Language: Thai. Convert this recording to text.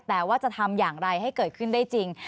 แต่ว่าจะทำอย่างไรให้เกิดขึ้นได้จริง